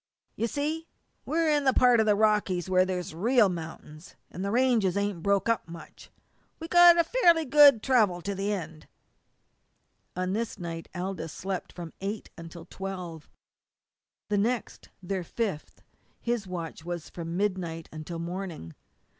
"You see we're in that part of the Rockies where there's real mount'ins, an' the ranges ain't broke up much. We've got fairly good travel to the end." On this night Aldous slept from eight until twelve. The next, their fifth, his watch was from midnight until morning.